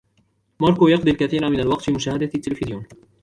ماركو يَقضي الكثير مِن الوقت في مُشاهدة التليفزيون.